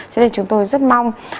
cho nên chúng tôi rất mong